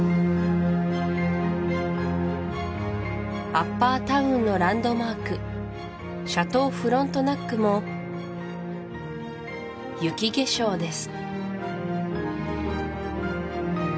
アッパータウンのランドマークシャトーフロントナックも雪化粧です